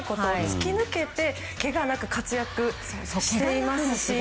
突き抜けてけがなく活躍していますし。